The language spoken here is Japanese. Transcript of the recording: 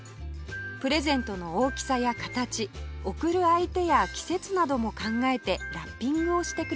プレゼントの大きさや形贈る相手や季節なども考えてラッピングをしてくれます